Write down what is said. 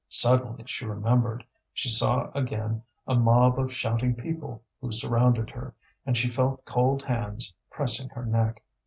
Suddenly she remembered; she saw again a mob of shouting people who surrounded her, and she felt cold hands pressing her neck.